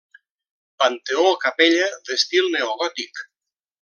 Panteó-capella d'estil neogòtic.